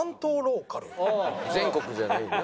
「全国じゃないんだ」。